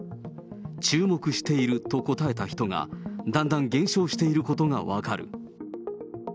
注目していると答えた人がだんだん減少していることが分かる。